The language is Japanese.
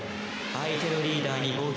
相手のリーダーに攻撃。